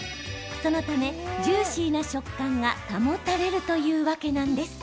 そのため、ジューシーな食感が保たれるというわけなんです。